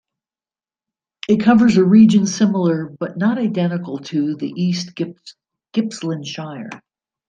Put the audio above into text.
It covers a region similar, but not identical to the East Gippsland Shire.